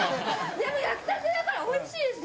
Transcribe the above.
でも焼きたてだからおいしいですね。